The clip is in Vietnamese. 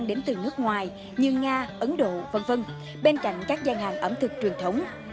đến từ nước ngoài như nga ấn độ v v bên cạnh các gian hàng ẩm thực truyền thống